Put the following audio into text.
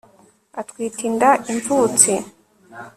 atwite inda imvutsi